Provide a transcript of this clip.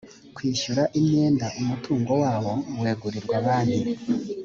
kwishyura imyenda umutungo wawo wegurirwa banki